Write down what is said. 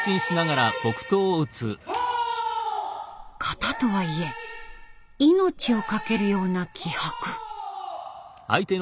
形とはいえ命をかけるような気迫。